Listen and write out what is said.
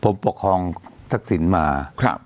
ผมปกครองทักศิลป์มาครับ